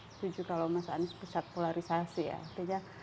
setuju kalau mas anies pusat polarisasi ya